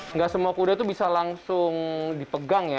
nggak semua kuda itu bisa langsung dipegang ya